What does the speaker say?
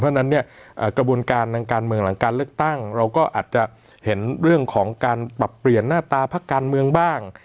เพราะฉะนั้นเนี่ยกระบวนการทางการเมืองหลังการเลือกตั้งเราก็อาจจะเห็นเรื่องของการปรับเปลี่ยนหน้าตาพักการเมืองบ้าง